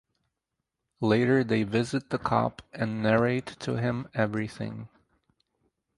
Later they visit the cop and narrate to him everything.